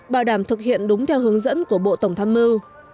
bảo đảm thực hiện đúng theo hướng dẫn của bộ tổng tham mưu